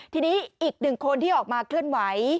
ทีนี้อีกหนึ่งคนที่ออกมาเคลื่อนไหว